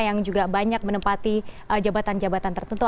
yang juga banyak menempati jabatan jabatan tertentu